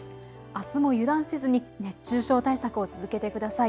あすも油断せずに熱中症対策を続けてください。